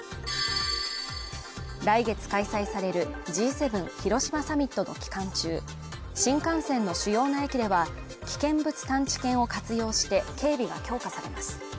来月開催されるＧ７広島サミットの期間中、新幹線の主要な駅では、危険物探知犬を活用して、警備が強化されます。